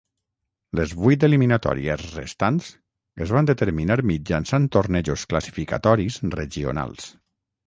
Les vuit eliminatòries restants es van determinar mitjançant tornejos classificatoris regionals.